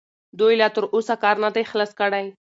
دوی لا تراوسه کار نه دی خلاص کړی.